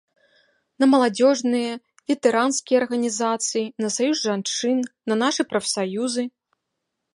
На маладзёжныя, ветэранскія арганізацыі, на саюз жанчын, на нашы прафсаюзы.